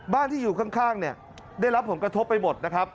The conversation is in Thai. บ้านที่อยู่ข้างเนี่ยได้รับผลกระทบไปหมดนะครับ